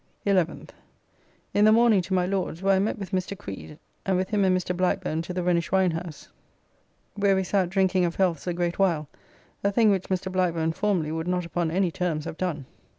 11th. In the morning to my Lord's, where I met with Mr. Creed, and with him and Mr. Blackburne to the Rhenish wine house, where we sat drinking of healths a great while, a thing which Mr. Blackburne formerly would not upon any terms have done.